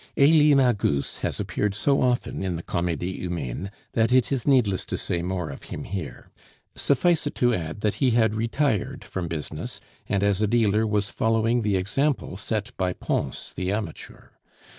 Elie Magus has appeared so often in the Comedie Humaine, that it is needless to say more of him here. Suffice it to add that he had retired from business, and as a dealer was following the example set by Pons the amateur.